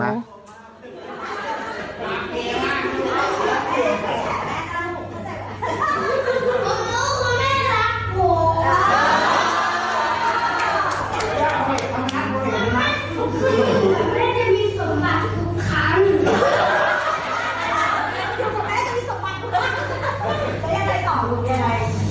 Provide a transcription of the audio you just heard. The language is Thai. ไม่รู้คุณแม่รักผม